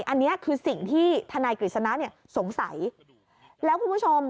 อันนี้คือสิ่งที่ทนายกฤษณะเนี่ยสงสัยแล้วคุณผู้ชม